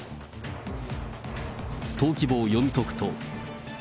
登記簿を読み解くと。